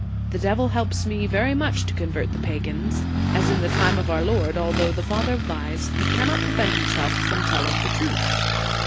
The devil helps me very much to convert the pagans. As in the time of our Lord, although the father of lies, he cannot prevent himself from telling the truth.